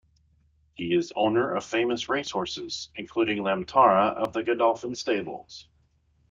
He is owner of famous racehorses including Lammtara of the Godolphin Stables.